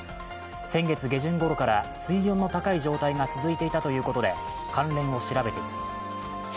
先月下旬ごろから水温の高い状態が続いていたということで関連を調べています。